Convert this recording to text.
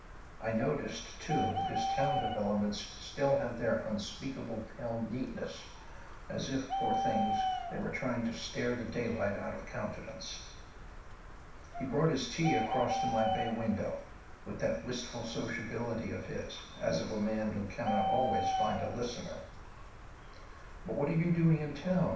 I noticed; too, that his town habiliments still had their unspeakable pale neatness, as if, poor things, they were trying to stare the daylight out of countenance. He brought his tea across to my bay window, with that wistful sociability of his, as of a man who cannot always find a listener. "But what are you doing in town?"